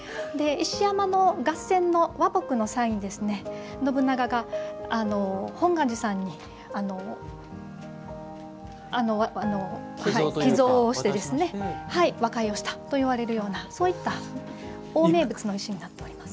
石山の合戦の和睦の際に信長が本願寺さんに、寄贈をして和解をしたといわれるようなそういった大名物の石となります。